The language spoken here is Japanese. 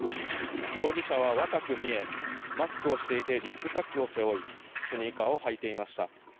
容疑者は若く見え、マスクをしていてリュックサックを背負いスニーカーを履いていました。